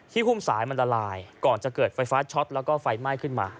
หุ้มสายมันละลายก่อนจะเกิดไฟฟ้าช็อตแล้วก็ไฟไหม้ขึ้นมา